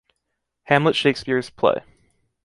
Hamlet Shakespeare's play.